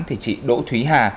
thì chị đỗ thúy hà